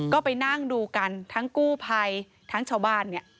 ก็ไปนั่งดูกันทั้งกู้ภัยทั้งชาวบ้านเนี่ย